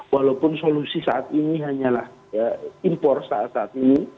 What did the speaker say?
walaupun solusi saat ini hanyalah impor saat saat ini